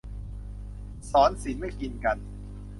ศรศิลป์ไม่กินกัน